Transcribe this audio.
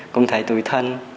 cũng thấy tùy thân